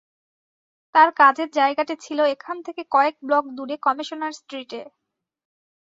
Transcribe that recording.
তাঁর কাজের জায়গাটি ছিল এখান থেকে কয়েক ব্লক দূরে কমিশনার স্ট্রিটে।